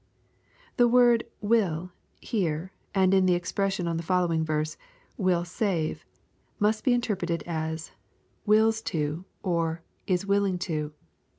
] The word " will" here, and in the expression m the following verse, "mH save," must be interpreted as^ "wilh LUKE, CHAP. IX. 813 to," or, "is willing to."